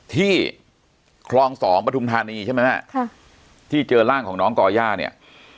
ที่คลองสองปฐุมธานีใช่ไหมแม่ค่ะที่เจอร่างของน้องก่อย่าเนี่ย